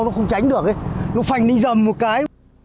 nó không tránh được nó phanh đi dầm một cái